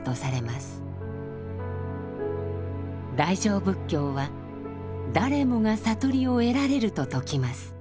大乗仏教は「誰もが悟りを得られる」と説きます。